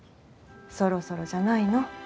そろそろじゃないの？